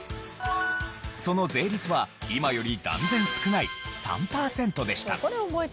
その税率は今より断然少ない３パーセントでした。